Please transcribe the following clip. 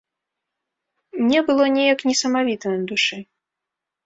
Мне было неяк несамавіта на душы.